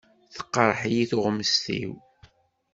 Teqreḥ-iyi tuɣmest-iw.